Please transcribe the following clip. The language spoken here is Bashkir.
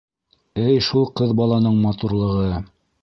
Эй шул ҡыҙ баланың матурлығы.